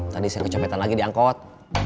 tadi saya kecepetan lagi diangkot